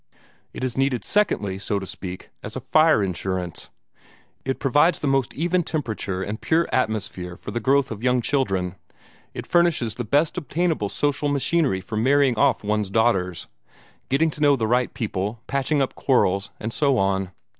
It is needed, secondly, so to speak, as a fire insurance. It provides the most even temperature and pure atmosphere for the growth of young children. It furnishes the best obtainable social machinery for marrying off one's daughters, getting to know the right people, patching up quarrels, and so on.